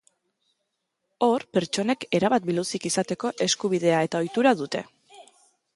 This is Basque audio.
Hor, pertsonek erabat biluzik izateko eskubidea eta ohitura dute.